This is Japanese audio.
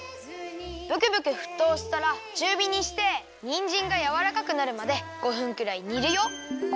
ブクブクふっとうしたらちゅうびにしてにんじんがやわらかくなるまで５分くらいにるよ。